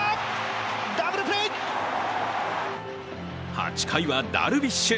８回はダルビッシュ。